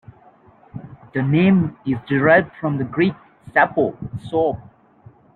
The name is derived from the Greek "sapo", soap.